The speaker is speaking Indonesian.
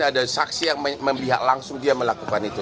ada saksi yang memihak langsung dia melakukan itu